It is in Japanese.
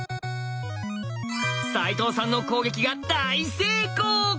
齋藤さんの攻撃が大成功！